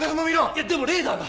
いやでもレーダーが。